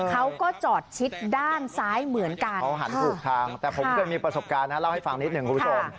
เขาหันอุกทางแต่ผมก็มีประสบการณ์นะเล่าให้ฟังนิดหนึ่งคุณผู้ชม